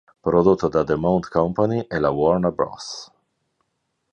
Prodotto da The Mount Company e la Warner Bros.